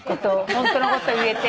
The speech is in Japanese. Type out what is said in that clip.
ホントのこと言えて。